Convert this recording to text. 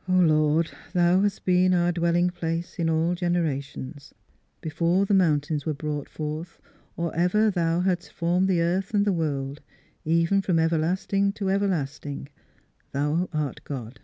" O Lord, thou hast been our dwelling place in all generations : before the mountains were brought forth, or ever thou hadst formed the earth and the world even from everlasting to everlasting thou art God!